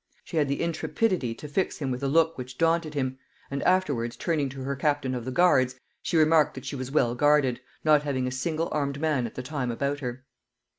She had the intrepidity to fix him with a look which daunted him; and afterwards, turning to her captain of the guards, she remarked that she was well guarded, not having a single armed man at the time about her.